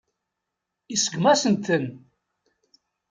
Iseggem-asent-ten.